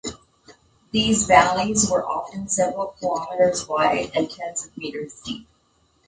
These valleys were often several kilometres wide and tens of meters deep.